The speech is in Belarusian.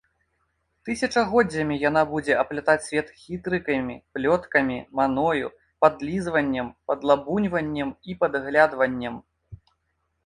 Тысячагоддзямі яна будзе аплятаць свет хітрыкамі, плёткамі, маною, падлізваннем, падлабуньваннем і падглядваннем.